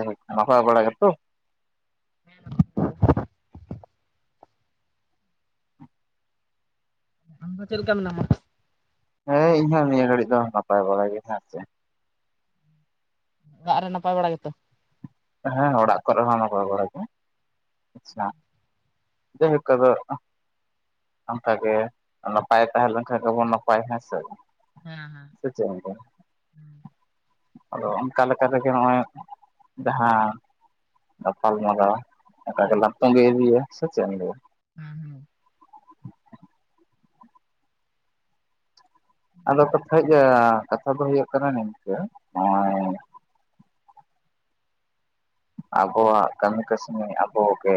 ᱟᱪᱪᱷᱟ ᱱᱟᱯᱟᱭ ᱵᱟᱲᱟ ᱜᱮᱛᱚ [unintelligible] ᱟᱢ ᱫᱚ ᱪᱮᱫ ᱞᱮᱠᱟ ᱢᱮᱱᱟᱢᱟ ᱦᱮᱸ ᱤᱧ ᱦᱚᱸ ᱱᱤᱭᱟᱹ ᱜᱷᱟᱲᱤᱡ ᱫᱚ ᱱᱟᱯᱟᱭ ᱵᱟᱲᱟ ᱜᱮ ᱦᱮᱸ ᱥᱮ ᱚᱲᱟᱜ ᱨᱮ ᱱᱟᱯᱟᱭ ᱵᱟᱲᱟ ᱜᱮᱛᱚ ᱦᱮᱸ ᱚᱲᱟᱜ ᱠᱚ ᱨᱮ ᱦᱚᱸ ᱱᱟᱯᱟᱭ [inaudible] ᱵᱟᱲᱟ ᱜᱮ ᱟᱪᱪᱷᱟ ᱡᱟᱭᱦᱳᱠ ᱟᱫᱚ ᱵᱷᱟᱜᱮ ᱱᱟᱯᱟᱭ ᱛᱟᱦᱮᱸ ᱞᱮᱱᱠᱷᱟᱱ ᱜᱮ ᱵᱚᱱ ᱱᱟᱯᱟᱭ ᱦᱮᱸ ᱥᱮ ᱦᱮᱸ ᱦᱮᱸ ᱥᱮ ᱪᱮᱫ ᱮᱢ ᱞᱟᱹᱭᱼᱟ ᱟᱫᱚ ᱚᱱᱠᱟ ᱞᱮᱠᱟ ᱨᱮ ᱜᱮ ᱱᱚᱜᱚᱭ ᱡᱟᱦᱟᱸ ᱜᱟᱯᱟᱞ ᱢᱟᱨᱟᱣ ᱱᱚᱠᱟ ᱜᱮᱞᱟᱝ ᱛᱚᱝᱜᱮ ᱤᱫᱤᱭᱟ ᱥᱮ ᱪᱮᱫ ᱮᱢ ᱞᱟᱹᱭᱼᱟ ᱦᱩ ᱟᱫᱚ ᱠᱟᱛᱷᱟᱡ ᱠᱟᱛᱷᱟ ᱫᱚ ᱦᱩᱭᱩᱜ ᱠᱟᱱᱟ ᱱᱤᱝᱠᱟᱹ ᱟᱵᱚᱣᱟᱜ ᱠᱟᱢᱤ ᱠᱟᱥᱱᱤ ᱟᱵᱚ ᱜᱮ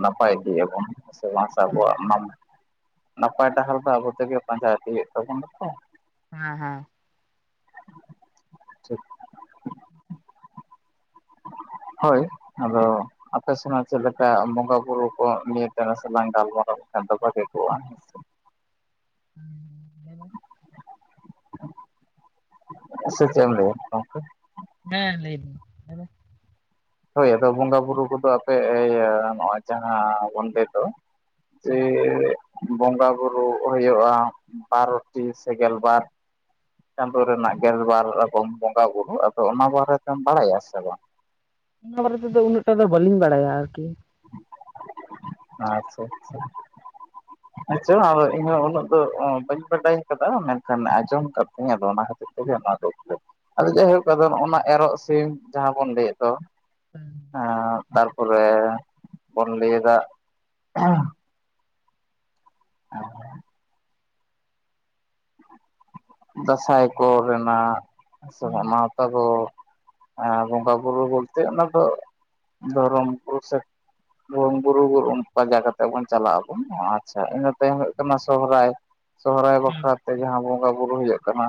ᱱᱟᱯᱟᱭ ᱤᱫᱤ ᱟᱵᱚᱱ ᱥᱮ ᱢᱟᱥᱠ ᱟᱵᱚᱣᱟᱜ ᱦᱮᱸ [unintelligible] ᱱᱟᱯᱟᱭ ᱰᱟᱦᱟᱨ ᱫᱚ ᱟᱵᱚ ᱛᱮ ᱜᱮ ᱯᱟᱸᱡᱟ ᱤᱫᱤᱭ ᱦᱳᱭᱳᱜ ᱛᱟᱵᱚᱱᱟ ᱛᱚ ᱦᱮᱸ ᱦᱮᱸ ᱛᱚ᱾ [unintelligible] ᱦᱳᱭ ᱟᱫᱚ ᱟᱯᱮ ᱥᱮᱱᱟᱜ ᱪᱮᱫ ᱞᱮᱠᱟ ᱵᱚᱸᱜᱟ ᱵᱩᱨᱩ ᱠᱚ ᱱᱤᱭᱟᱹ ᱴᱟᱜ ᱞᱟᱝ ᱜᱟᱞᱢᱟᱨᱟᱣ ᱞᱮᱠᱷᱟᱱ ᱫᱚ ᱵᱷᱟᱜᱮ ᱠᱚᱜ-ᱟ ᱦᱮᱸ ᱥᱮ ᱪᱮᱫ ᱮᱢ ᱞᱟᱹᱭ ᱟ ᱜᱚᱝᱠᱮ ᱦᱮᱸ ᱞᱟᱹᱭ ᱵᱤᱱ ᱦᱳᱭ ᱟᱫᱚ ᱵᱚᱸᱜᱟ ᱵᱩᱨᱩ ᱠᱚ ᱫᱚ ᱟᱯᱮ ᱤᱭᱟᱹ ᱱᱚᱜᱚᱭ ᱡᱟᱦᱟᱸ ᱵᱚᱱᱰᱮ ᱫᱚ ᱪᱮᱜ ᱵᱚᱸᱜᱟ ᱵᱩᱨᱩ ᱦᱩᱭᱩᱜ-ᱟ ᱵᱟᱨᱚᱴᱤ ᱥᱮ ᱜᱮᱞ ᱵᱟᱨ ᱪᱟᱸᱫᱳ ᱨᱮᱱᱟᱜ ᱜᱮᱞ ᱵᱟᱨ ᱨᱚᱠᱚᱢ ᱵᱚᱸᱜᱟ ᱵᱩᱨᱩ ᱟᱫᱚ ᱚᱱᱟ ᱵᱟᱨᱮᱛᱮᱢ ᱵᱟᱲᱟᱭᱟ ᱥᱮ ᱵᱟᱝ ᱱᱚᱣᱟ ᱵᱟᱨᱮ ᱛᱮ ᱫᱚ ᱩᱱᱟᱹᱜ ᱴᱟ ᱫᱚ ᱵᱟᱞᱤᱧ ᱵᱟᱲᱟᱭᱟ ᱟᱨ ᱠᱤ ᱟᱪᱪᱷᱟ ᱟᱪᱪᱷᱟ [unintelligible] ᱟᱪᱪᱷᱟ ᱟᱫᱚ ᱤᱧ ᱦᱚᱸ ᱩᱱᱟᱹᱜ ᱫᱚ ᱵᱟᱹᱧ ᱵᱟᱰᱟᱭ ᱟᱠᱟᱫᱟ ᱢᱮᱱ ᱠᱷᱟᱱ ᱟᱸᱡᱚᱢ ᱟᱠᱟᱫ ᱤᱧ ᱟᱫᱚ ᱚᱱᱟ ᱠᱷᱟᱹᱛᱤᱨ [unintelligible] ᱟᱫᱚ ᱡᱟᱭ ᱦᱚᱠ ᱱᱚᱜ ᱱᱚᱣᱟ ᱮᱨᱚᱜ ᱥᱤᱢ ᱡᱟᱦᱟᱸ ᱵᱚᱱ ᱞᱟᱹᱭᱮᱫ ᱫᱚ ᱦᱩᱸ ᱦᱮᱸ ᱛᱟᱨᱯᱚᱨᱮ ᱵᱚᱱ ᱞᱟᱹᱭ ᱫᱟ [unintelligible] ᱫᱟᱸᱥᱟᱭ ᱠᱚᱨᱮ ᱨᱮᱱᱟᱜ ᱥᱮ ᱦᱩᱸ ᱜᱟᱶᱛᱟ ᱠᱚ ᱟᱨ ᱵᱚᱸᱜᱟ ᱵᱩᱨᱩ ᱵᱚᱞᱛᱮ ᱚᱱᱟ ᱫᱚ ᱫᱷᱚᱨᱚᱢ ᱠᱩ ᱥᱮ ᱵᱩᱨᱩ ᱯᱟᱡᱟ ᱠᱟᱛᱮ ᱵᱚᱱ ᱪᱟᱞᱟᱜ ᱟᱵᱚᱱ ᱟᱪᱪᱷᱟ ᱤᱱᱟᱹ ᱛᱟᱭᱚᱢ ᱦᱩᱭᱩᱜ ᱠᱟᱱᱟ ᱥᱚᱨᱦᱟᱭ ᱥᱚᱦᱨᱟᱭ ᱦᱩᱸ ᱵᱟᱠᱷᱨᱟᱛᱮ ᱡᱟᱦᱟᱸ ᱵᱚᱸᱜᱟ ᱵᱩᱨᱩ ᱦᱩᱭᱩᱜ ᱠᱟᱱᱟ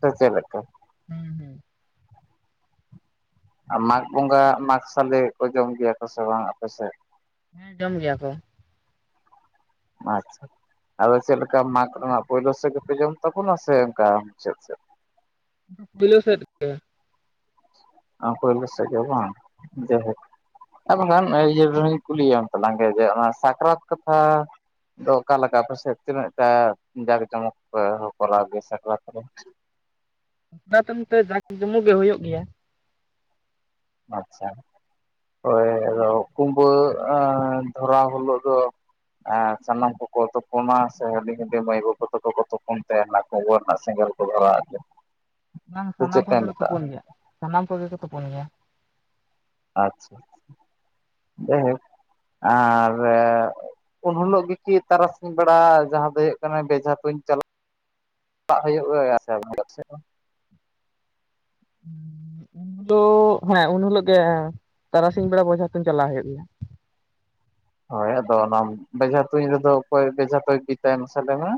ᱥᱮ ᱪᱮᱫ ᱞᱮᱠᱟ ᱦᱩᱸ ᱟᱨ ᱢᱟᱜᱽ ᱵᱚᱸᱜᱟ ᱢᱟᱜᱽ ᱥᱚᱞᱮ ᱠᱚ ᱡᱚᱢ ᱜᱮᱭᱟ ᱠᱚ ᱥᱮ ᱵᱟᱝ ᱟᱯᱮ ᱥᱮᱫ? ᱦᱮᱸ ᱡᱚᱢ ᱜᱮᱭᱟ ᱠᱚ ᱾ ᱟᱪᱪᱷᱟ ᱟᱫᱚ ᱪᱮᱫ ᱞᱮᱠᱟ ᱢᱟᱜᱽ ᱨᱮᱱᱟᱜ ᱯᱳᱭᱞᱳ ᱥᱮᱫ ᱜᱮ ᱯᱮ ᱡᱚᱢ ᱛᱟᱵᱚᱱᱟ ᱥᱮ ᱚᱱᱠᱟ ᱪᱮᱫ ᱪᱮᱫ ᱵᱤᱞᱤ ᱥᱮᱫ ᱜᱮ ᱟᱢ ᱠᱚᱭᱮᱞ ᱜᱮ ᱵᱟᱝ ᱟᱨ ᱵᱟᱠᱷᱟᱱ ᱤᱭᱟᱹ ᱨᱮᱧ ᱠᱩᱞᱤᱭᱟ ᱛᱟᱞᱟᱝ ᱡᱮ ᱚᱱᱟ ᱥᱟᱠᱨᱟᱛ ᱠᱟᱛᱷᱟ ᱟᱫᱚ ᱚᱠᱟᱞᱮ ᱞᱮᱠᱟ ᱯᱮᱥᱮᱫ ᱛᱤᱱᱟᱹᱜ ᱴᱟᱜ ᱡᱟᱠ ᱡᱚᱢᱚᱠ ᱠᱚᱨᱟᱣ ᱜᱮᱭᱟ ᱥᱟᱠᱨᱟᱛ ᱨᱮ ᱚᱱᱟ ᱛᱟᱭᱚᱢ ᱛᱮ ᱡᱟᱸᱠ ᱡᱚᱢᱚᱠ ᱜᱮ ᱦᱩᱭᱩᱜ ᱜᱮᱭᱟ ᱾ ᱟᱪᱪᱷᱟ ᱦᱳᱭ ᱫᱚ ᱠᱩᱢᱵᱟᱹ ᱫᱷᱚᱨᱟᱹᱣ ᱦᱤᱞᱳᱜ ᱫᱚ ᱟ ᱥᱟᱱᱟᱢ ᱠᱚᱠᱚ ᱛᱩᱯᱚᱱᱟ ᱥᱮ ᱦᱩᱰᱤᱧ ᱦᱩᱰᱤᱧ ᱢᱟᱹᱭ ᱵᱟᱹᱵᱩ ᱛᱟᱠᱚᱠᱚ ᱛᱩᱯᱚᱱ ᱛᱮᱦᱮᱸᱱᱟ ᱠᱩᱢᱵᱟᱹ ᱨᱮᱱᱟᱜ ᱥᱮᱝᱜᱮᱞ ᱠᱚ ᱵᱷᱚᱨᱟᱹᱣ ᱟᱫ ᱜᱮ ᱵᱟᱝ ᱥᱮ ᱥᱟᱱᱟᱢ ᱪᱮᱫ ᱯᱮ ᱠᱚᱜᱮ ᱠᱚ ᱢᱮᱛᱟᱜᱼᱟ? ᱛᱩᱯᱚᱱ ᱜᱮᱭᱟ ᱥᱟᱱᱟᱢ ᱠᱚᱜᱮ ᱠᱚ ᱛᱩᱯᱚᱱ ᱜᱮᱭᱟ ᱾ ᱟᱪᱪᱷᱟ, ᱡᱟᱭᱦᱳᱠ ᱟᱨ ᱩᱱ ᱦᱤᱞᱳᱜ ᱜᱮ ᱤ ᱛᱟᱨᱟᱥᱤᱧ ᱵᱮᱲᱟ ᱡᱟᱦᱟᱸ ᱫᱚ ᱵᱮᱡᱷᱟ ᱛᱩᱧ ᱪᱟᱞᱟᱜ ᱪᱟᱞᱟᱜ ᱦᱩᱭᱩᱜᱼᱟ ᱥᱮ ᱩᱱ ᱦᱤᱞᱳᱜ ᱦᱮᱸ ᱩᱱ ᱦᱤᱞᱳᱜ ᱜᱮ ᱛᱟᱨᱟᱥᱤᱧ ᱵᱮᱲᱟ ᱵᱷᱮᱡᱷᱟ ᱛᱩᱧ ᱪᱟᱞᱟᱣ ᱦᱩᱭᱩᱜ ᱜᱮᱭᱟ ᱾ ᱦᱳᱭ ᱟᱫᱚ ᱚᱱᱟ ᱵᱷᱮᱡᱷᱟ ᱛᱩᱧ ᱨᱮᱫᱚ ᱚᱠᱚᱭ ᱵᱷᱮᱡᱷᱟ ᱫᱚᱭ ᱵᱤᱫᱟ ᱢᱟᱥᱮ ᱞᱮᱭ ᱢᱮ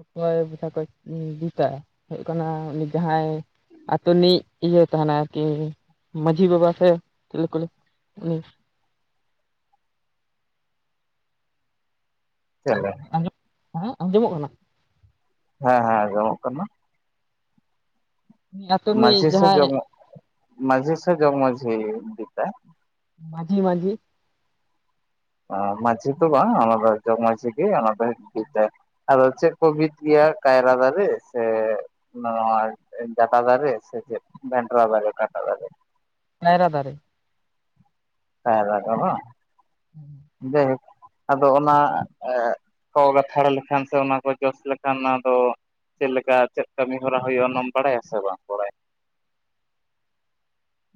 ᱚᱠᱚᱭ [unintelligible] ᱵᱤᱸᱛᱟ ᱦᱩᱭᱩᱜ ᱠᱟᱱᱟᱭ ᱡᱟᱦᱟᱸᱭ ᱟᱹᱛᱩ ᱨᱤᱱᱤᱡ ᱤᱭᱟᱹ ᱛᱟᱦᱮᱱᱟ ᱟᱨ ᱠᱤ ᱢᱟᱺᱡᱷᱤ ᱵᱟᱵᱟ ᱥᱮ ᱪᱮᱞᱤ ᱠᱚ ᱞᱟᱹᱭᱟ ᱪᱮᱞᱮ ᱟᱸᱡᱚᱢ ᱦᱮᱸ ᱟᱸᱡᱚᱢᱚᱜ ᱠᱟᱱᱟ ᱾ ᱦᱮᱸ ᱦᱮᱸ ᱟᱸᱡᱚᱢᱚᱜ ᱠᱟᱱᱟ ᱾ ᱩᱱᱤ ᱟᱛᱳ ᱢᱟᱡᱷᱤ ᱨᱤᱱᱤᱡ ᱡᱟᱦᱟᱸᱭ ᱥᱮ ᱡᱚᱜᱽ ᱡᱚᱜᱽ ᱢᱟᱡᱷᱤ ᱞᱮᱠᱟ ᱢᱟᱡᱷᱤ ᱢᱟᱡᱷᱤ ᱢᱟᱡᱷᱤ ᱫᱚ ᱵᱟᱝ ᱚᱱᱟ ᱫᱚ ᱡᱚᱜᱽ ᱢᱟᱡᱷᱤ ᱜᱮ ᱟᱫᱚ ᱪᱮᱫ ᱠᱚ ᱵᱤᱫ ᱜᱮᱭᱟ ᱠᱟᱭᱨᱟᱹ ᱫᱟᱨᱮ ᱥᱮ ᱱᱚᱣᱟ ᱡᱟᱰᱟ ᱫᱟᱨᱮ ᱥᱮ ᱪᱮ ᱵᱮᱱᱨᱟ ᱫᱟᱨᱮ ᱚᱠᱟᱴᱟ ᱫᱟᱨᱮ? ᱠᱟᱹᱭᱨᱟ ᱫᱟᱨᱮ [unintelligible] ᱡᱟᱭᱦᱳᱠ ᱟᱫᱚ ᱚᱱᱟ ᱠᱚ ᱜᱟᱛᱷᱟᱲ ᱞᱮᱠᱷᱟᱱ ᱥᱮ ᱚᱱᱟ ᱠᱚ ᱡᱚᱥ ᱞᱮᱠᱷᱟᱱ ᱚᱱᱟ ᱫᱚ ᱪᱮᱫ ᱞᱮᱠᱟ ᱪᱮᱫ ᱠᱟᱹᱢᱤ ᱦᱚᱨᱟ ᱦᱩᱭᱩᱜᱼᱟ ᱚᱱᱟᱢ ᱵᱟᱲᱟᱭᱟ ᱥᱮ ᱵᱟᱢ ᱵᱟᱲᱟᱭᱟ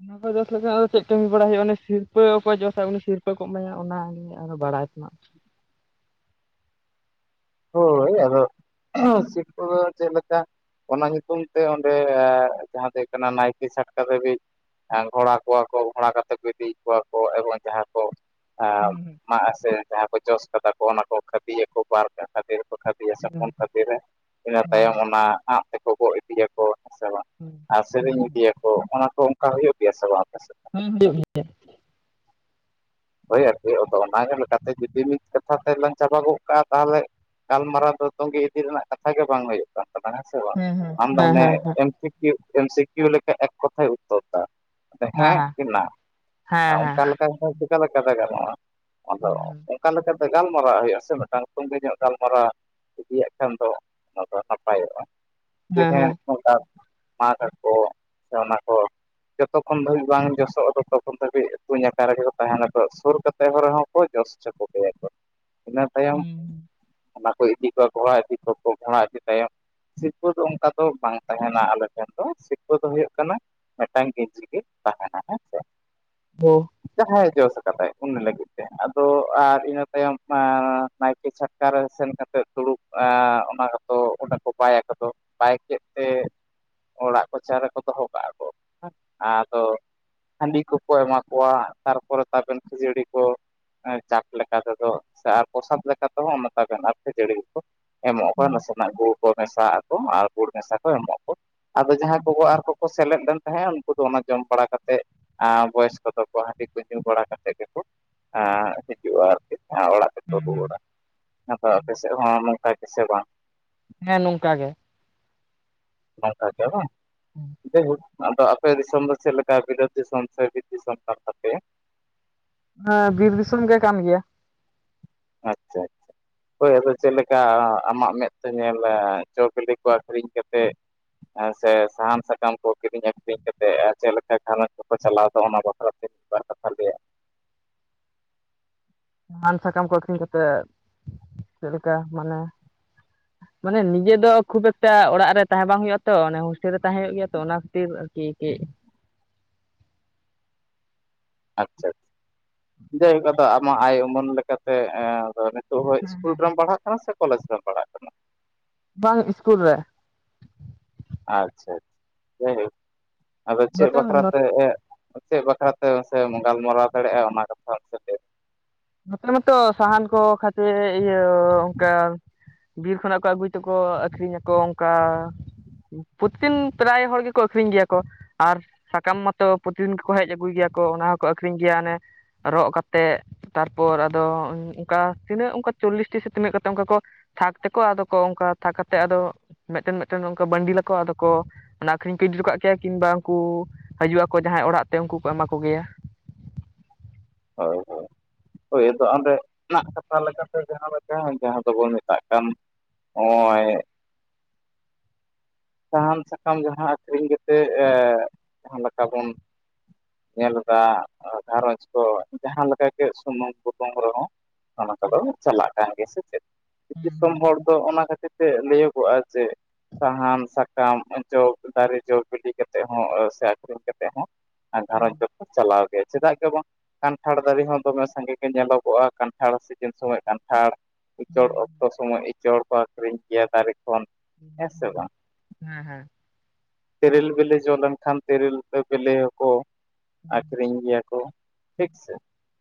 ᱚᱱᱟ ᱠᱚ ᱡᱚᱥ ᱞᱮᱠᱷᱟᱱ ᱫᱚ ᱪᱮᱫ ᱠᱟᱹᱢᱤ ᱵᱟᱲᱟᱭ ᱦᱩᱭᱩᱜᱼᱟ ᱩᱱᱤ ᱥᱤᱨᱯᱟᱹ ᱚᱠᱚᱭ ᱡᱚᱥᱟ ᱩᱱᱤ ᱥᱤᱨᱯᱟᱹ ᱠᱚ ᱮᱢᱟᱭᱟ ᱚᱱᱟ ᱜᱮ ᱟᱨ ᱵᱟᱲᱟᱭ ᱛᱮᱱᱟᱜ ᱦᱳᱭ ᱟᱫᱚ [unintelligible] ᱪᱮᱫ ᱞᱮᱠᱟ ᱚᱱᱟ ᱧᱩᱛᱩᱢ ᱛᱮ ᱚᱸᱰᱮ ᱡᱟᱦᱟᱸ ᱫᱚ ᱦᱩᱭᱩᱜ ᱠᱟᱱᱟ ᱱᱟᱭᱠᱮ ᱪᱷᱟᱴᱠᱟ ᱫᱷᱟᱹᱵᱤᱡᱽ ᱜᱷᱚᱸᱲᱟ ᱠᱚᱣᱟ ᱠᱚ ᱜᱷᱚᱸᱲᱟ ᱠᱟᱛᱮ ᱠᱚ ᱤᱫᱤᱭᱮᱜ ᱠᱚᱣᱟ ᱠᱚ ᱮᱵᱚᱝ ᱡᱟᱦᱟᱸ ᱠᱚ ᱦᱮᱸ [unintelligible] ᱦᱩᱭᱩᱜ ᱢᱟᱜ ᱟᱥᱮ ᱡᱟᱦᱟᱸ ᱠᱚ ᱡᱚᱥ ᱠᱟᱫᱟ ᱠᱚ ᱚᱱᱟ ᱠᱚ ᱠᱷᱟᱹᱫᱤᱭᱟᱠᱚ ᱯᱟᱨᱠᱟ ᱠᱷᱟᱹᱫᱤ ᱫᱚᱠᱚ ᱠᱷᱟᱫᱭᱟ ᱥᱮ ᱜᱮᱭᱟ ᱦᱮᱸ ᱯᱩᱱ ᱠᱷᱟᱞᱤ ᱨᱮ ᱤᱱᱟᱹ ᱦᱮᱸ ᱛᱟᱭᱚᱢ ᱚᱱᱟ ᱟᱸᱜ ᱛᱮᱠᱚ ᱜᱚᱜ ᱤᱫᱤᱭᱟᱠᱚ ᱦᱮᱸ ᱥᱮ ᱵᱟᱝ ᱟᱨ ᱥᱮᱨᱮᱧ ᱤᱫᱤᱭᱟᱠᱚ ᱚᱱᱟ ᱠᱚ ᱚᱱᱠᱟ ᱦᱩᱭᱩᱜ ᱜᱮᱭᱟ ᱥᱮ ᱵᱟᱝ ᱟᱯᱮ ᱥᱮᱫ? [unintelligible] ᱦᱳᱭ ᱟᱨᱠᱤ ᱟᱫᱚ ᱚᱱᱟ ᱞᱮᱠᱟ ᱛᱮ ᱡᱩᱫᱤ ᱢᱤᱫ ᱠᱟᱛᱷᱟ ᱛᱮ ᱞᱟᱝ ᱪᱟᱵᱟ ᱜᱚᱠᱟᱜᱼᱟ ᱛᱟᱦᱚᱞᱮ ᱜᱟᱞᱢᱟᱨᱟᱣ ᱫᱚ ᱛᱚᱸᱜᱮ ᱤᱫᱤ ᱨᱮᱱᱟᱜ ᱠᱟᱛᱷᱟ ᱜᱮ ᱵᱟᱝ ᱦᱩᱭᱩᱜ ᱠᱟᱱ ᱛᱟᱞᱟᱝ ᱦᱮᱸ ᱥᱮ ᱵᱟᱝ ᱦᱮᱸ ᱟᱢ ᱫᱚ ᱦᱮᱸ ᱦᱟᱱᱮ ᱦᱮᱸ ᱦᱮᱸ ᱮᱢ [unintelligible] ᱟᱫᱚ ᱦᱮᱜ ᱠᱤ ᱱᱟ ᱚᱱᱠᱟ ᱞᱮᱠᱟ ᱥᱟᱭ ᱥᱟᱭ ᱪᱮᱠᱟ ᱞᱮᱠᱟᱛᱮ ᱜᱟᱱᱚᱜᱼᱟ ᱟᱫᱚ ᱚᱠᱟ ᱞᱮᱠᱟᱛᱮ ᱜᱟᱞᱢᱟᱨᱟᱣ ᱦᱩᱭᱩᱜᱼᱟ ᱥᱮ ᱢᱤᱫᱴᱟᱝ ᱛᱩᱸᱜᱮ ᱧᱚᱜ ᱜᱟᱞᱢᱟᱨᱟᱣ ᱤᱫᱤᱭᱟᱜ ᱠᱷᱟᱱ ᱫᱚ ᱱᱟᱯᱟᱭᱚᱜᱼᱟ ᱡᱮ ᱦᱮᱸ ᱦᱚᱴᱟᱛ ᱢᱟᱜᱟᱠᱚ ᱥᱮ ᱚᱱᱟ ᱠᱚ ᱡᱚᱛᱚᱠᱷᱚᱱ ᱫᱷᱟᱹᱵᱤᱡ ᱵᱟᱝ ᱡᱚᱥᱚᱜᱼᱟ ᱛᱚᱛᱚ ᱠᱷᱚᱱ ᱫᱷᱟᱹᱵᱤᱡ ᱛᱩᱧ ᱟᱠᱟ ᱨᱮᱜᱮ ᱠᱚ ᱛᱟᱦᱮᱱᱟᱠᱚ ᱥᱩᱨ ᱠᱟᱛᱮ ᱦᱚᱸ ᱨᱮᱦᱚᱸᱠᱚ ᱡᱚᱥ ᱦᱚᱪᱚ ᱠᱚᱜᱮᱭᱟ ᱠᱚ ᱤᱱᱟᱹ ᱛᱟᱭᱚᱢ ᱚᱱᱟ ᱠᱚ ᱤᱫᱤ ᱠᱚᱣᱟ ᱜᱷᱚᱬᱟ ᱤᱫᱤ ᱠᱚᱣᱟ ᱠᱚ ᱜᱷᱚᱬᱟ ᱤᱫᱤ ᱛᱟᱭᱚᱢ ᱥᱤᱨᱯᱟᱹ ᱫᱚ ᱚᱱᱠᱟ ᱫᱚ ᱵᱟᱝ ᱛᱟᱦᱮᱱᱟ ᱟᱞᱮ ᱴᱷᱮᱱ ᱫᱚ ᱥᱤᱨᱯᱟᱹ ᱫᱚ ᱦᱩᱭᱩᱜ ᱠᱟᱱᱟ ᱢᱤᱫᱴᱟᱝ ᱜᱮᱡᱤ ᱜᱮ ᱛᱟᱦᱮᱱᱟ ᱦᱮᱸ ᱥᱮ ᱚ ᱡᱟᱦᱟᱸᱭ ᱡᱚᱥ ᱟᱠᱟᱫᱟᱭ ᱩᱱᱤ ᱞᱟᱹᱜᱤᱫ ᱛᱮ ᱟᱫᱚ ᱟᱨ ᱤᱱᱟᱹ ᱛᱟᱭᱚᱢ ᱱᱟᱭ ᱼᱼ ᱠᱮ ᱪᱷᱟᱴᱠᱟ ᱨᱮ ᱥᱮᱱ ᱠᱟᱛᱮ ᱫᱩᱲᱩᱵ ᱟᱻ ᱚᱱᱟ ᱠᱚᱫᱚ ᱚᱱᱟ ᱠᱚ ᱵᱟᱭ ᱟᱠᱚᱫᱚ ᱵᱟᱭ ᱠᱮᱫ ᱛᱮ ᱚᱲᱟᱜ ᱠᱚᱪᱟ ᱨᱮᱠᱚ ᱫᱚᱦᱚ ᱠᱟᱜᱼᱟ ᱠᱚ ᱟᱫᱚ ᱦᱟᱺᱰᱤ ᱠᱚᱠᱚ ᱮᱢᱟ ᱠᱚᱣᱟ ᱛᱟᱨᱯᱚᱨᱮ ᱛᱟᱵᱮᱱ ᱠᱷᱟᱹᱡᱟᱹᱲᱤ ᱠᱚ ᱪᱟᱴ ᱞᱮᱠᱟ ᱛᱮᱫᱚ ᱥᱮ ᱟᱨ ᱯᱨᱚᱥᱟᱫᱽ ᱞᱮᱠᱟ ᱛᱮᱦᱚᱸᱛᱟᱵᱮᱱ ᱟᱨ ᱡᱟᱹᱲᱤ ᱜᱮᱠᱚ ᱮᱢᱚᱜ ᱟᱠᱚ ᱦᱮᱸ ᱱᱟᱥᱮᱱᱟᱜ ᱜᱩᱲ ᱠᱚ ᱢᱮᱥᱟᱜ ᱟᱠᱚ ᱟᱨ ᱜᱩᱲ ᱢᱮᱥᱟ ᱠᱚ ᱮᱢᱚᱜ ᱟᱠᱚ ᱟᱫᱚ ᱡᱟᱦᱟᱸᱭ ᱠᱚᱜᱚ ᱟᱨ ᱠᱚᱠᱚ ᱥᱮᱞᱮᱫ ᱞᱮᱱ ᱛᱟᱦᱮᱸᱫ ᱩᱱᱠᱩ ᱫᱚ ᱚᱱᱟ ᱡᱚᱢ ᱵᱟᱲᱟ ᱠᱟᱛᱮᱫ ᱵᱚᱭᱚᱥ ᱠᱚᱫᱚ ᱦᱟ ᱼᱼ ᱴᱤᱡ ᱠᱚ ᱧᱩ ᱵᱟᱲᱟ ᱠᱟᱛᱮᱫ ᱜᱮᱠᱚ ᱮ ᱦᱤᱡᱩᱜᱼᱟ ᱚᱲᱟᱜ ᱛᱮᱠᱚ ᱦᱩᱸ ᱦᱩᱸ ᱨᱩᱣᱟᱹᱲᱟ ᱟᱫᱚ ᱟᱯᱮ ᱥᱮᱫ ᱦᱚᱸ ᱱᱚᱝᱠᱟ ᱜᱮᱥᱮ ᱵᱟᱝ ᱦᱮᱸ ᱱᱚᱝᱠᱟ ᱜᱮ ᱱᱚᱝᱠᱟ ᱜᱮᱭᱟ ᱵᱟᱝ ᱡᱟᱭᱦᱳᱠ ᱟᱫᱚ ᱟᱯᱮ ᱫᱤᱥᱚᱢ ᱫᱚ ᱪᱮᱫ ᱞᱮᱠᱟ ᱵᱤᱞᱟ. ᱫ ᱫᱤᱥᱚᱢ ᱥᱮ ᱵᱤᱨ ᱫᱤᱥᱚᱢ ᱠᱟᱱ ᱛᱟᱯᱮᱭᱟ ᱮᱸ ᱵᱤᱨ ᱫᱤᱥᱚᱢ ᱜᱮ ᱠᱟᱱ ᱜᱮᱭᱟ ᱟᱪ ᱪᱷᱟ ᱟᱪ ᱪᱷᱟ ᱦᱳᱭ ᱟᱫᱚ ᱪᱮᱫ ᱞᱮᱠᱟ ᱟᱢᱟᱜ ᱢᱮᱫ ᱛᱮ ᱧᱮᱞ ᱡᱚ ᱵᱤᱞᱤ ᱠᱚ ᱟᱹᱠᱷᱨᱤᱧ ᱠᱟᱛᱮᱫ ᱥᱮ ᱥᱟᱦᱟᱱ ᱥᱟᱠᱟᱢ ᱠᱚ ᱠᱤᱨᱤᱧ ᱟᱠᱷᱨᱤᱧ ᱠᱟᱛᱮᱜ ᱪᱮᱫ ᱞᱮᱠᱟ ᱜᱷᱟᱨᱚᱡᱽ ᱠᱚᱠᱚ ᱪᱟᱞᱟᱣ ᱫᱚ ᱚᱱᱟ ᱵᱟᱠᱷ ᱼᱼ [inaudible] ᱥᱟᱱ ᱥᱟᱠᱟᱢ ᱠᱚ ᱟᱹᱠᱷᱨᱤᱧ ᱠᱟᱛᱮᱜ ᱪᱮᱫᱞᱮᱠᱟ ᱢᱟᱱᱮ ᱢᱟᱱᱮ ᱱᱤᱡᱮ ᱫᱚ ᱠᱷᱩᱵ ᱮᱠᱴᱟ ᱚᱲᱟᱜ ᱨᱮ ᱛᱟᱦᱮᱸ ᱵᱟᱝ ᱦᱩᱭᱩᱜᱼᱟ ᱛᱚ ᱚᱱᱮ ᱦᱳᱥᱴᱮᱞ ᱨᱮ ᱛᱟᱦᱮᱸ ᱦᱩᱭᱩᱜ ᱜᱮᱭᱟ ᱛᱚ ᱚᱱᱟ ᱠᱷᱟᱹᱛᱤᱨ ᱠᱤ ᱠᱮ ᱟᱪᱪᱷᱟ ᱟᱪᱪᱷᱟ ᱡᱟᱭᱦᱳᱠ ᱟᱫᱚ ᱟᱢᱟᱜ ᱟᱭ ᱩᱢᱟᱹᱱ ᱞᱮᱠᱟᱛᱮ ᱛᱚ ᱤᱥᱠᱩᱞ ᱨᱮᱢ ᱯᱟᱲᱦᱟᱜ ᱠᱟᱱᱟ ᱥᱮ ᱠᱚᱞᱮᱡᱽ ᱨᱮᱢ ᱯᱟᱲᱦᱟᱜ ᱠᱟᱱᱟ ᱵᱟᱝ ᱤᱥᱠᱩᱞ ᱨᱮ ᱟᱪᱪᱷᱟ ᱡᱟᱭᱦᱳᱠ ᱟᱫᱚ ᱪᱮᱫ ᱱᱚᱛᱮ ᱵᱟᱠᱷᱨᱟᱛᱮ ᱪᱮᱫ ᱵᱟᱠᱷᱨᱟ ᱛᱮ ᱟᱥᱮ ᱜᱟᱞᱢᱟᱨᱟᱣ ᱫᱟᱲᱮᱭᱟᱜᱼᱟ ᱚᱱᱟ ᱠᱟᱛᱷᱟ ᱥᱮᱪᱮᱫ ᱱᱚᱛᱮ ᱢᱟᱛᱚ ᱥᱟᱦᱟᱱ ᱠᱚ ᱠᱷᱟᱹᱛᱤᱨ ᱤᱭᱟᱹ ᱚᱱᱠᱟ ᱵᱤᱨ ᱠᱷᱚᱱᱟᱜ ᱠᱚ ᱟᱹᱜᱩᱭ ᱛᱮᱠᱚ ᱟᱠᱷᱨᱤᱧᱟᱠᱚ ᱚᱱᱠᱟ ᱯᱩᱛ ᱛᱤᱱ ᱯᱨᱟᱭ ᱦᱚᱲ ᱜᱮᱠᱚ ᱟᱹᱠᱷᱨᱤᱧ ᱜᱮᱭᱟ ᱠᱚ ᱟᱨ ᱥᱟᱠᱟᱢ ᱢᱟᱛᱚ ᱯᱨᱚᱛᱤᱫᱤᱱ ᱠᱚᱠᱚ ᱦᱮᱡ ᱟᱹᱜᱩᱭ ᱜᱮᱭᱟ ᱠᱚ ᱚᱱᱟ ᱦᱚᱸᱠᱚ ᱟᱹᱠᱷᱨᱤᱧ ᱜᱮᱭᱟ ᱚᱱᱮ ᱨᱚᱜ ᱠᱟᱛᱮ ᱛᱟᱨᱯᱚᱨ ᱟᱫᱚ ᱚᱱᱠᱟ ᱛᱤᱱᱟᱹᱜ ᱚᱱᱠᱟ ᱪᱚᱞᱞᱤᱥᱴᱤ ᱥᱮ ᱛᱤᱱᱟᱹᱜ ᱠᱟᱛᱮᱫ ᱚᱱᱠᱟ ᱠᱚ ᱛᱷᱟᱠ ᱛᱮᱠᱚ ᱟᱫᱚ ᱠᱚ ᱚᱱᱠᱟ ᱛᱷᱟᱠ ᱠᱟ ᱠᱟᱛᱮᱜ ᱟᱫᱚ ᱢᱤᱫᱴᱮᱱ ᱢᱮᱫᱴᱮᱱ ᱚᱱᱠᱟ ᱵᱟᱹᱱᱰᱤᱞᱟᱠᱚ ᱟᱫᱚ ᱠᱚ ᱚᱱᱟ ᱟᱹᱠᱷᱨᱤᱧ ᱠᱚ ᱤᱫᱤ ᱦᱚᱴᱚ ᱠᱟᱜ ᱠᱮᱭᱟ ᱠᱤᱢᱵᱟ ᱩᱱᱠᱩ ᱦᱤᱡᱩᱜ ᱟᱠᱚ ᱡᱟᱦᱟᱸᱭ ᱚᱲᱟᱜ ᱛᱮ ᱩᱱᱠᱩ ᱠᱚ ᱮᱢᱟ ᱠᱚᱜᱮᱭᱟ ᱦᱳᱭ ᱦᱳᱭ ᱦᱳᱭ ᱟᱫᱚ ᱚᱸᱰᱮ ᱱᱟᱜ ᱠᱟᱛᱷᱟ ᱞᱮᱠᱟ ᱼ ᱼ ᱥᱮ ᱡᱟᱦᱟᱸ ᱞᱮᱠᱟ ᱡᱟᱦᱟᱸ ᱫᱚᱵᱚᱱ ᱢᱮᱛᱟᱜ ᱠᱟᱱ ᱱᱚᱜᱼᱚᱭ ᱥᱟᱦᱟᱱ ᱥᱟᱠᱟᱢ ᱡᱟᱦᱟᱸ ᱟᱹᱠᱷᱨᱤᱧ ᱠᱟᱛᱮ ᱮ ᱡᱟᱦᱟᱸ ᱞᱮᱠᱟ ᱵᱚᱱ ᱧᱮᱞ ᱫᱟ ᱜᱷᱟᱨᱚᱸᱡᱽ ᱛᱚ ᱡᱟᱦᱟᱸ ᱞᱮᱠᱟ ᱜᱮ ᱥᱩᱱᱩᱢ ᱠᱩᱛᱩᱝ ᱨᱮᱦᱚᱸ ᱚᱱᱟ ᱠᱚᱫᱚ ᱪᱟᱞᱟᱜ ᱠᱟᱱ ᱜᱮᱭᱟ ᱥᱮ ᱪᱮᱫ ᱫᱤᱥᱚᱢ ᱦᱚᱲ ᱫᱚ ᱚᱱᱟ ᱠᱷᱟᱹᱛᱤᱨ ᱛᱮ ᱞᱟᱹᱭᱟᱹᱜᱚᱜ-ᱟ ᱡᱮ ᱥᱟᱦᱟᱱ ᱥᱟᱠᱟᱢ ᱡᱚ ᱫᱟᱨᱮ ᱡᱚ ᱵᱤᱞᱤ ᱠᱟᱛᱮᱜ ᱦᱚᱸ ᱥᱟᱠᱚᱢ ᱠᱟᱛᱮ ᱦᱚᱸ ᱜᱷᱟᱨᱚᱸᱡᱽ ᱫᱚᱠᱚ ᱪᱟᱞᱟᱣ ᱜᱮᱭᱟ ᱪᱮᱫᱟᱜ ᱜᱮ ᱵᱟᱝ ᱠᱟᱱᱴᱷᱟᱲ ᱫᱟᱨᱮ ᱦᱚᱸ ᱫᱚᱢᱮ ᱥᱟᱸᱜᱮ ᱜᱮ ᱧᱮᱞᱚᱜᱚᱜᱼᱟ ᱠᱟᱱᱴᱷᱟᱲ ᱥᱤᱡᱤᱱ ᱥᱚᱢᱚᱭ ᱠᱟᱱᱴᱷᱟᱲ ᱤᱪᱚᱲ ᱚᱠᱛᱚ ᱥᱚᱢᱚᱭ ᱤᱪᱚᱲ ᱠᱚ ᱟᱹᱷᱨᱤᱧ ᱜᱮᱭᱟ ᱫᱟᱨᱮ ᱠᱷᱚᱱ ᱦᱮᱸᱥᱮ ᱵᱟᱝ ᱦᱮᱸ ᱛᱮᱨᱮᱞ ᱵᱮᱞᱤ ᱡᱚ ᱞᱮᱱᱠᱷᱟᱱ ᱛᱮᱨᱮᱞ ᱵᱤᱞᱤ ᱦᱚᱸᱠᱚ ᱟᱠᱷᱨᱤᱧ ᱜᱮᱭᱟ ᱠᱚ ᱴᱷᱤᱠ ᱥᱮ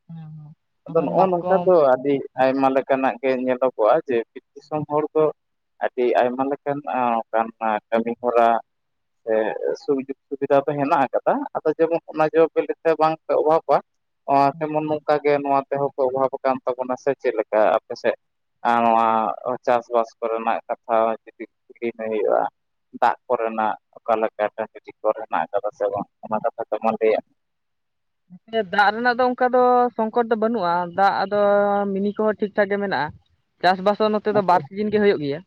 ᱦᱮᱸ ᱟᱫᱚ ᱟᱵᱟᱨ ᱱᱚᱜᱼᱚ ᱱᱚᱝᱠᱟ ᱢᱟᱛᱠᱚᱢ ᱫᱚ ᱟᱹᱰᱤ ᱟᱭᱢᱟ ᱞᱮᱠᱟᱱᱟᱜ ᱜᱮ ᱧᱮᱞᱚᱜᱚᱜ-ᱟ ᱡᱮ ᱵᱤᱨ ᱫᱤᱥᱚᱢ ᱦᱚᱲ ᱫᱚ ᱟᱹᱰᱤ ᱟᱭᱢᱟ ᱞᱮᱠᱟᱱ ᱚᱱᱠᱟᱱ ᱠᱟᱹᱢᱤ ᱦᱚᱨᱟ᱾ ᱥᱩᱡᱳᱜᱽ ᱥᱩᱵᱤᱫᱷᱟ ᱫᱚ ᱦᱮᱱᱟᱜ ᱟᱠᱟᱫᱟ ᱟᱫᱚ ᱡᱮᱢᱚᱱ ᱚᱱᱟ ᱡᱮ ᱵᱤᱞᱤᱛᱮ ᱵᱟᱝᱯᱮ ᱚᱵᱷᱟᱵᱽ ᱟ ᱛᱮᱢᱚᱱ ᱱᱚᱝᱠᱟ ᱜᱮ ᱱᱚᱣᱟ ᱛᱮᱦᱚᱸ ᱠᱚ ᱚᱵᱷᱟᱵ ᱟᱠᱟᱱ ᱛᱟᱵᱚᱱᱟ ᱥᱮ ᱪᱮᱫᱠᱟ ᱟᱯᱮ ᱥᱮᱫ ᱟᱨ ᱱᱚᱣᱟ ᱪᱟᱥᱵᱟᱥ ᱠᱚᱨᱮᱱᱟᱜ ᱠᱟᱛᱷᱟ ᱡᱩᱫᱤ ᱠᱤᱨᱤᱧ ᱦᱩᱭᱩᱜᱼᱟ ᱫᱟᱜ ᱠᱚᱨᱮᱱᱟᱜ ᱚᱠᱟ ᱞᱮᱠᱟ ᱴᱟᱠᱴᱤᱡ ᱠᱚᱨᱮ ᱱᱟᱜ ᱟᱠᱟᱫᱟ ᱥᱮ ᱵᱟᱝ ᱚᱱᱟ ᱠᱟᱛᱷᱟ ᱠᱚ ᱢᱟ ᱞᱟᱹᱭᱟᱜ ᱫᱟᱜ ᱨᱮᱱᱟᱜ ᱫᱚ ᱚᱱᱠᱟ ᱫᱚ ᱥᱚᱝᱠᱚᱴ ᱫᱚ ᱵᱟᱹᱱᱩᱜᱼᱟ ᱫᱟᱜ ᱟᱫᱚ ᱢᱤᱱᱤ ᱠᱚᱦᱚᱸ ᱴᱷᱤᱠᱴᱷᱟᱠ ᱜᱮ ᱢᱮᱱᱟᱜᱼᱟ ᱪᱟᱥᱵᱟᱥ ᱦᱚᱸ ᱱᱚᱛᱮ ᱢᱮ ᱫᱚ ᱵᱟᱨ ᱥᱤᱡᱤᱱ ᱜᱮ ᱦᱩᱭᱩᱜ ᱜᱮᱭᱟ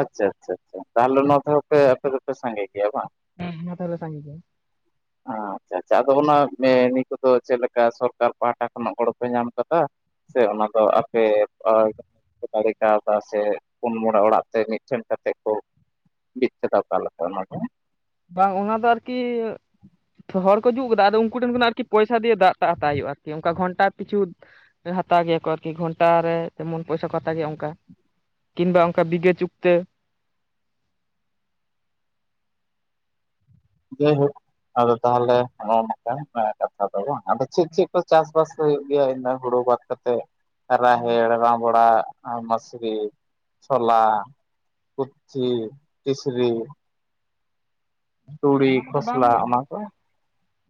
ᱟᱪᱪᱷᱟ ᱟᱪᱪᱷᱟ ᱟᱪᱷᱟ ᱛᱟᱦᱚᱞᱮ ᱱᱚᱣᱟ ᱛᱮᱦᱚᱸᱯᱮ ᱟᱯᱮ ᱫᱚᱯᱮ ᱥᱟᱸᱜᱮ ᱜᱮᱭᱟ ᱵᱟᱝ ᱦᱮᱸ ᱛᱷᱟᱮ ᱥᱟᱝᱜ ᱜᱮ ᱟᱪᱪᱷᱟ ᱟᱪᱪᱷᱟ ᱟᱫᱚ ᱚᱱᱟ ᱢᱮ ᱱᱤ ᱠᱚᱫᱚ ᱪᱮᱫᱮ ᱞᱮᱠᱟ ᱥᱚᱨᱠᱟᱨ ᱯᱟᱦᱴᱟ ᱠᱷᱚᱱᱟᱜ ᱜᱚᱲᱚᱯᱮ ᱧᱟᱢ ᱠᱟᱫᱟ᱾ ᱥᱮ ᱚᱱᱟ ᱫᱚ ᱟᱯᱮ ᱫᱟᱲᱮ ᱠᱟᱣᱫᱟ ᱥᱮ ᱯᱩᱱ ᱢᱚᱬᱮ ᱚᱲᱟᱜ ᱛᱮ ᱢᱤᱫ ᱴᱷᱮᱱ ᱠᱟᱛᱮ ᱠᱚ [unintelligible] ᱟᱠᱟᱞᱮᱠᱟ ᱚᱱᱟ ᱵᱟᱝ ᱚᱱᱟ ᱫᱚ ᱟᱨᱠᱤ ᱦᱚᱲ ᱠᱚ ᱡᱩᱛ ᱠᱮᱫᱟ ᱟᱫᱚ ᱩᱱᱠᱩ ᱴᱷᱮᱱ ᱠᱷᱚ ᱟᱨᱠᱤ ᱯᱚᱭᱥᱟ ᱫᱤᱭᱮ ᱫᱟᱜ ᱴᱟᱜ ᱦᱟᱛᱟᱣ ᱦᱩᱭᱩᱜ-ᱟ ᱟᱨᱠᱤ ᱚᱱᱠᱟ ᱜᱷᱚᱱᱴᱟ ᱯᱤᱪᱷᱩ ᱦᱟᱛᱟᱣ ᱜᱮᱭᱟ ᱠᱚ ᱟᱨᱠᱤ ᱜᱷᱚᱱᱴᱟᱮ ᱛᱮᱢᱚᱱ ᱯᱚᱭᱥᱟ ᱠᱚ ᱦᱟᱛᱟᱣ ᱜᱮᱭᱟ ᱚᱱᱠᱟ ᱠᱤᱢᱵᱟ ᱚᱱᱠᱟ ᱵᱤᱜᱮ ᱪᱩᱠᱛᱮ ᱡᱟᱭᱦᱳᱠ ᱟᱫᱚ ᱛᱟᱦᱚᱞᱮ ᱱᱚᱜ-ᱚ ᱱᱚᱝᱠᱟ ᱠᱟᱛᱷᱟ ᱫᱚ ᱵᱟᱝ ᱟᱫᱚ ᱪᱮᱫ ᱪᱮᱫ ᱠᱚ ᱪᱟᱥᱵᱟᱥ ᱦᱩᱭᱩᱜ ᱜᱮᱭᱟ ᱤᱱᱟᱹ ᱦᱩᱲᱩ ᱵᱟᱫ ᱠᱟᱛᱮᱜ ᱨᱟᱦᱮᱲ ᱨᱟᱸᱵᱲᱟ ᱟᱨ ᱢᱟᱥᱨᱤ ᱪᱷᱚᱞᱟ ᱠᱩᱪᱷᱤ ᱠᱤᱥᱨᱤ ᱚᱱᱟ ᱠᱚᱫᱚ ᱵᱟᱝ ᱠᱷᱚᱥᱞᱟ ᱦᱩᱭᱩᱜ ᱚᱱᱟ ᱜᱮᱭᱟ ᱠᱚ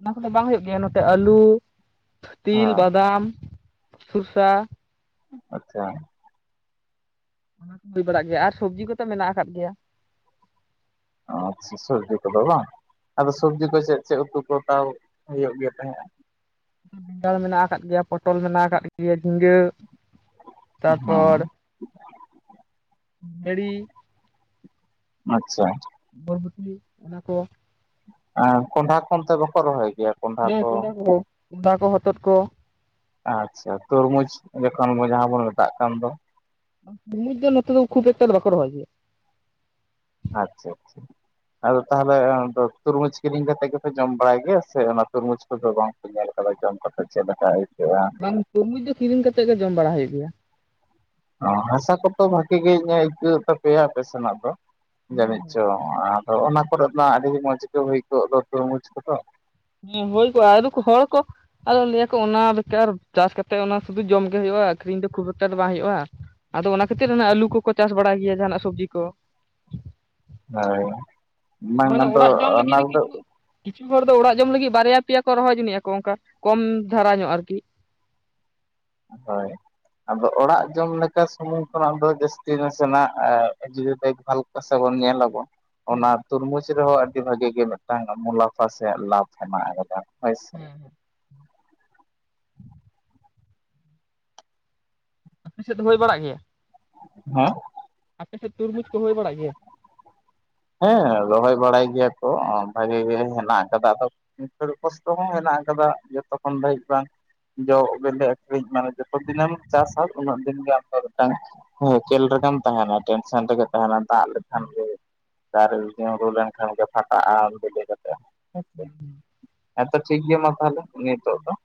ᱚᱱᱟ ᱠᱚᱫᱚ ᱵᱟᱝ ᱦᱩᱭᱩᱜ ᱜᱮᱭᱟ ᱱᱚᱛᱮ ᱟᱹᱞᱩ ᱛᱤᱞ ᱦᱮᱸ ᱵᱟᱫᱟᱢ ᱥᱚᱨᱥᱟ ᱟᱪᱪᱷᱟ ᱚᱱᱟ ᱠᱚ ᱦᱩᱭ ᱵᱟᱲᱟᱜ ᱜᱮᱭᱟ ᱟᱨ ᱥᱚᱵᱽᱡᱤ ᱠᱚᱛ ᱢᱮᱱᱟᱜ ᱟᱠᱟᱫ ᱜᱮᱭᱟ ᱟᱪᱪᱷᱟ ᱥᱚᱵᱽᱡᱤ ᱠᱚᱫᱚ ᱵᱟᱝ ᱟᱫᱚ ᱥᱚᱵᱡᱤ ᱠᱚ ᱪᱮᱫ ᱪᱮᱫ ᱩᱛᱩ ᱠᱚᱚᱛᱟᱣ ᱦᱩᱭᱩᱜ ᱜᱮᱭᱟ ᱛᱟᱦᱮᱸᱫᱼᱟ ᱵᱮᱸᱜᱟᱲ ᱢᱮᱱᱟᱜ ᱟᱠᱟᱫ ᱜᱮᱭᱟ ᱯᱚᱴᱚᱞ ᱢᱮᱱᱟᱜ ᱟᱠᱟᱫ ᱜᱮᱭᱟ ᱡᱷᱤᱸᱜᱟᱹ ᱛᱟᱨᱯᱚᱨ ᱦᱮᱸ [unintelligible] ᱟᱪᱪᱷᱟ ᱵᱚᱨᱵᱚᱴᱤ ᱚᱱᱟ ᱠᱚ ᱟᱨ ᱠᱚᱸᱰᱷᱟ ᱠᱚ ᱚᱱᱛᱮ ᱵᱟᱠᱚ ᱨᱚᱦᱚᱭ ᱜᱮᱭᱟ᱾ ᱠᱚᱸᱰᱷᱟ ᱦᱮᱸᱻ ᱠᱚ? ᱠᱚᱸᱦᱱᱰᱟ ᱠᱚ ᱦᱚᱛᱚᱛ ᱠᱚ ᱟᱪᱷᱟ ᱛᱚᱨᱢᱩᱡᱽ ᱡᱚᱠᱷᱚᱱ ᱡᱟᱦᱟᱸ ᱵᱚᱱ ᱢᱮᱛᱟᱜ ᱠᱟᱱ ᱫᱚ᱾ [unintelligible] ᱫᱚ ᱱᱚᱛ ᱫᱚ ᱠᱷᱩᱵ ᱮᱠᱴᱟ ᱵᱟᱠᱚ ᱨᱚᱦᱚᱭ ᱡᱮ ᱟᱪᱪᱷᱟ ᱟᱪᱪᱷᱟ ᱟᱫᱚ ᱛᱟᱦᱚᱞᱮ ᱛᱩᱨᱢᱩᱡᱽ ᱠᱤᱨᱤᱧ ᱠᱟᱛᱮᱜ ᱜᱮᱯᱮ ᱡᱚᱢ ᱵᱟᱲᱟᱭ ᱜᱮᱭᱟ ᱥᱮ ᱚᱱᱟ ᱛᱩᱨᱢᱩᱡᱽ ᱠᱚᱫᱚ ᱵᱟᱝ [unintelligible] ᱪᱮᱫ ᱞᱮᱠᱟᱟᱭᱤᱛᱣᱟ ᱵᱟᱝ ᱛᱩᱨᱢᱩᱡ ᱫᱚ ᱠᱤᱨᱤᱧ ᱠᱟᱛᱮᱜ ᱜᱮ ᱡᱚᱢ ᱵᱟᱲᱟ ᱦᱩᱭᱩᱜ ᱜᱮᱭᱟ᱾ ᱚ ᱦᱟᱥᱟ ᱠᱚᱛᱚ ᱵᱷᱟᱜᱤ ᱜᱮᱧᱟᱹᱜ ᱟᱹᱭᱠᱟᱹᱜ ᱛᱟᱯᱮᱭᱟ ᱟᱯᱮ ᱥᱮᱱᱟᱜ ᱫᱚ ᱡᱟᱹᱱᱤᱡ ᱪᱚᱝ ᱟ ᱚᱱᱟ ᱠᱚᱨᱮ ᱢᱟ ᱟᱹᱰᱤ ᱢᱚᱡᱽ ᱜᱮ ᱦᱩᱭ ᱠᱚᱜ ᱫᱚ ᱛᱟᱹᱢᱩᱡᱽ ᱠᱚᱫᱚ ᱦᱮᱸ ᱦᱚᱭ ᱠᱚ ᱟᱨ ᱠᱚ ᱦᱚᱲ ᱠᱚ ᱟᱫᱚ ᱞᱟᱹᱭᱟᱠᱚ ᱚᱱᱟ ᱵᱮᱠᱟᱨ ᱪᱟᱥ ᱠᱟᱛᱮᱫ ᱚᱱᱟ ᱥᱩᱫᱩ ᱡᱚᱢ ᱜᱮ ᱦᱩᱭᱩᱜᱼᱟ ᱟᱹᱠᱷᱨᱤᱧ ᱫᱚ ᱠᱷᱩᱵ ᱵᱮᱠᱟᱨ ᱫᱚ ᱵᱟᱝ ᱦᱩᱭᱩᱜᱼᱟ ᱟᱫᱚ ᱚᱱᱟ ᱠᱷᱟᱹᱛᱤᱨ ᱟᱹᱞᱩ ᱠᱚᱠᱚ ᱪᱟᱥ ᱵᱟᱲᱟᱭ ᱜᱮᱭᱟ ᱡᱟᱦᱟᱱᱟᱜ ᱥᱚᱵᱽᱡᱤ ᱠᱚ ᱦᱳᱭ ᱵᱟᱝ ᱢᱟᱱᱮ ᱟᱫᱚ ᱚᱲᱟᱜ ᱡᱚᱢ ᱞᱟᱹᱜᱤᱫ ᱚᱱᱟ ᱫᱚ ᱨᱮᱫᱚ ᱠᱤᱪᱷᱩ ᱠᱤᱪᱷᱩ ᱦᱚᱲ ᱫᱚ ᱚᱲᱟᱜ ᱡᱚᱢ ᱞᱟᱹᱜᱤᱫ ᱵᱟᱨᱭᱟ ᱯᱮᱭᱟ ᱠᱚ ᱨᱚᱦᱚᱭ ᱡᱚᱱᱤᱡᱼᱟ ᱠᱚ ᱚᱱᱠᱟ ᱠᱚᱢ ᱫᱷᱟᱨᱟ ᱧᱚᱜ ᱟᱨᱠᱤ ᱾ ᱦᱳᱭ ᱟᱫᱚ ᱚᱲᱟᱜ ᱡᱚᱢ ᱞᱮᱠᱟ ᱥᱩᱢᱩᱝ ᱠᱷᱚᱱᱟᱜ ᱫᱚ ᱡᱟᱹᱥᱛᱤ ᱱᱟᱥᱮ ᱱᱟᱜ ᱫᱮᱠᱷ ᱵᱷᱟᱞ ᱱᱟᱥᱮ ᱵᱩᱱ ᱧᱮᱞ ᱟᱵᱳ ᱚᱱᱟ ᱛᱩᱨᱢᱩᱡᱽ ᱨᱮᱦᱚᱸ ᱟᱹᱰᱤ ᱵᱷᱟᱜᱤ ᱜᱮ ᱢᱤᱫᱴᱟᱝ ᱢᱩᱞᱟᱯᱷᱟ ᱥᱮ ᱞᱟᱵᱷ ᱦᱮᱱᱟᱜ ᱟᱠᱟᱫᱟ ᱦᱳᱭᱥᱮ? ᱦᱮᱸ ᱦᱮᱸ ᱟ ᱥᱮᱫ ᱫᱚ ᱦᱩᱭ ᱵᱟᱲᱟᱜ ᱜᱮᱭᱟ ᱦᱮᱸᱻ ᱟᱯ ᱥᱮᱫ ᱛᱩᱨᱢᱩᱡᱽ ᱠᱚ ᱦᱩᱭ ᱵᱟᱲᱟᱜ ᱜᱮᱭᱟ? ᱦᱮᱸ ᱨᱚᱦᱚᱭ ᱵᱟᱲᱟᱭ ᱜᱮᱭᱟ ᱠᱚ ᱵᱷᱟᱜᱤ ᱜᱮ ᱦᱮᱱᱟᱜ ᱠᱟᱫᱟ ᱫᱚ [unintelligible] ᱦᱚᱸ ᱦᱮᱱᱟᱜ ᱟᱠᱟᱫᱟ ᱡᱚᱛᱚ ᱠᱷᱚᱱᱚᱱ ᱫᱷᱟᱹᱵᱤᱡ ᱵᱟᱝ ᱡᱚ ᱵᱞᱮ ᱟᱹᱠᱷᱨᱤᱧ ᱢᱟᱱᱮ ᱡᱚᱛᱚ ᱫᱤᱱᱮᱢ ᱪᱟᱥᱟ ᱩᱱᱟᱹᱜ ᱫᱤᱱᱜ ᱟᱢ ᱫᱚ ᱢᱤᱫᱴᱟᱝ ᱦᱮᱸ ᱠᱷᱮᱞ ᱨᱮᱜᱮᱢ ᱛᱟᱦᱮᱱᱟ ᱴᱮᱱᱥᱮᱱ ᱨᱮᱜᱮ ᱛᱟᱦᱮᱱᱟ, ᱫᱟᱜᱽ ᱞᱮᱠᱷᱟᱱ ᱜᱮ ᱫᱟᱨᱮ ᱧᱨᱩ ᱞᱮᱱᱠᱷᱟᱱ ᱜᱮ ᱯᱷᱟᱴᱟᱜᱼᱟ ᱵᱤᱞᱤ ᱠᱟᱛᱮ ᱦᱮᱸ ᱦᱮᱸᱛᱚ ᱴᱷᱤᱠ ᱜᱮᱭᱟ ᱢᱟ ᱛᱟᱦᱚᱞᱮ ᱱᱤᱛᱚᱜ ᱫᱚ ᱾